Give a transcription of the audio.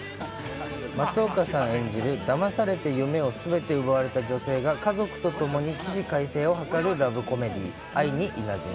松岡さん演じる、だまされて夢をすべて奪われた女性が家族とともに起死回生を図るラブコメディー、愛にイナズマ。